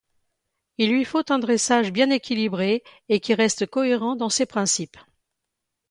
Il lui faut un dressage bien équilibré et qui reste cohérent dans ses principes.